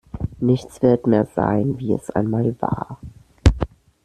Nichts wird mehr sein, wie es einmal war.